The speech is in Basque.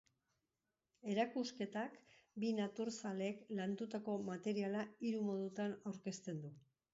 Erakusketak bi naturzaleek landutako materiala hiru modutan aurkezten du.